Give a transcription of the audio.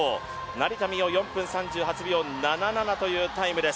成田実生、４分３８秒７７というタイム。